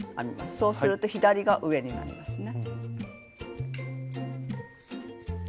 そうすると左が上になりますね。